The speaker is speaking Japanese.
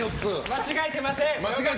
間違えてません！